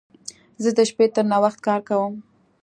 زه د شپې تر ناوخت کار کوم.